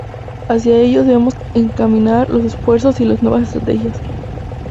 Hacía ellos debemos encaminar los esfuerzos y las nuevas estrategias.